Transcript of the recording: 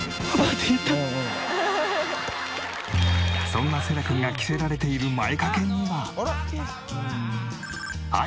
そんなせらくんが着せられている前掛けには。